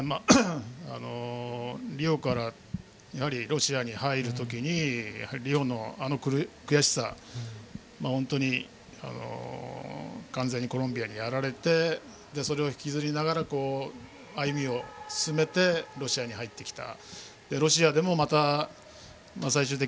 リオからロシアに入る時にリオの悔しさ完全にコロンビアにやられてそれを引きずりながら歩みを進めてロシアに入ってきた。